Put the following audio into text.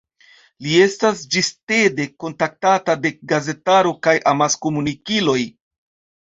Li estas ĝistede kontaktata de gazetaro kaj amaskomunikiloj.